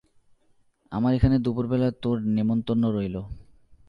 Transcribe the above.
আমার এখানে দুপুর বেলা তোর নেমন্তন্ন রইল।